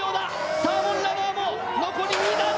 サーモンラダーも残り２段だ。